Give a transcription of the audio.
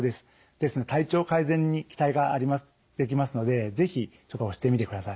ですので体調改善に期待ができますので是非ちょっと押してみてください。